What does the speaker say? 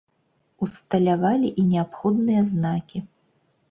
Усталявалі і неабходныя знакі.